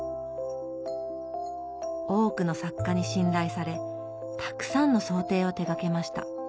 多くの作家に信頼されたくさんの装丁を手がけました。